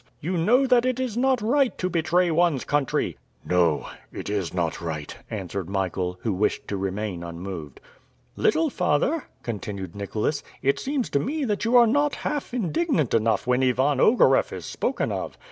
"You know that it is not right to betray one's country!" "No... it is not right..." answered Michael, who wished to remain unmoved. "Little father," continued Nicholas, "it seems to me that you are not half indignant enough when Ivan Ogareff is spoken of.